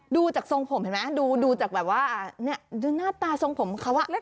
ดูจากทรงผมเห็นไหมดูจากแบบว่าเนี่ยดูหน้าตาทรงผมเขาอ่ะ